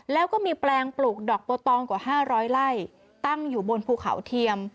แล้วก็มีแปลงปลูกดอกโบตองกว่า๕๐๐ไร่ตั้งอยู่บนภูเขาเทียม